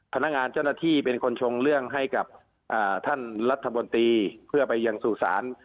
พนักงานเจ้าหน้าที่เป็นคนชงเรื่องให้กับท่านรัฐมนตรีเพื่อไปยังสู่ศาล